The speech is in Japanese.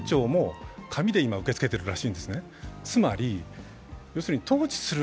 デジタル庁も今紙で受け付けているらしいんですね。